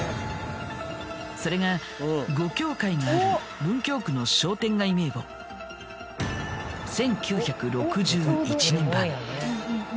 それが五協会がある文京区の商店街名簿１９６１年版。